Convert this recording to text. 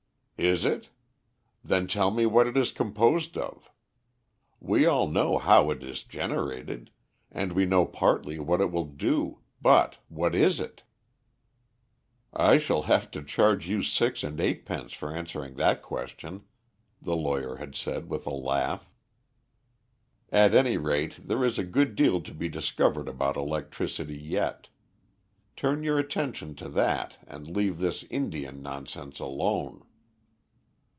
"Is it? Then tell me what it is composed of? We all know how it is generated, and we know partly what it will do, but what is it?" "I shall have to charge you six and eightpence for answering that question," the lawyer had said with a laugh. "At any rate there is a good deal to be discovered about electricity yet. Turn your attention to that and leave this Indian nonsense alone."